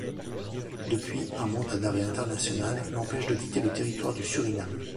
Depuis, un mandat d'arrêt international l'empêche de quitter le territoire du Suriname.